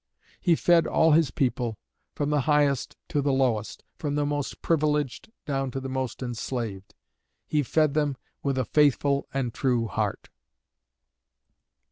He fed all his people, from the highest to the lowest, from the most privileged down to the most enslaved. 'He fed them with a faithful and true heart.'"